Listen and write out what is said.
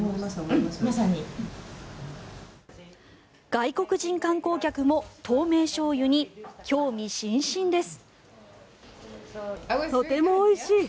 外国人観光客も透明醤油に興味津々です。